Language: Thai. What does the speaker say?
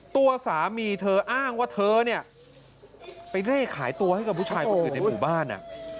ตัวสามีเธออ้างว่าเธอเนี่ยไปเร่ขายตัวให้กับผู้ชายคนอื่นในหมู่บ้าน